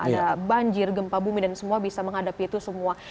ada banjir gempa bumi dan semua bisa menghadapi itu semua